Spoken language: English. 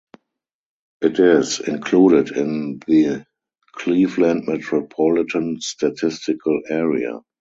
It is included in the Cleveland Metropolitan Statistical Area.